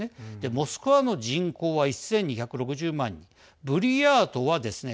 モスクワの人口は１２６０万人ブリヤートはですね